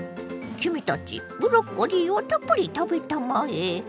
「君たちブロッコリーをたっぷり食べたまえ！